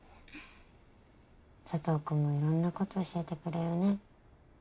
佐藤君はいろんなこと教えてくれるね。